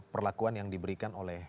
perlakuan yang diberikan oleh